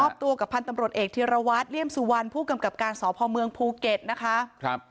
ตัวกับพันธ์ตำรวจเอกธีรวัตรเลี่ยมสุวรรณผู้กำกับการสพเมืองภูเก็ตนะคะครับ